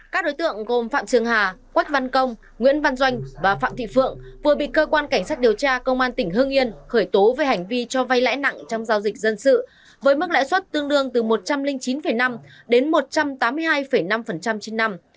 các đối tượng gồm phạm trường hà quách văn công nguyễn văn doanh và phạm thị phượng vừa bị cơ quan cảnh sát điều tra công an tỉnh hương yên khởi tố về hành vi cho vay lãi nặng trong giao dịch dân sự với mức lãi suất tương đương từ một trăm linh chín năm đến một trăm tám mươi hai năm trên năm